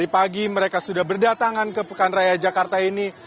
pekan raya jakarta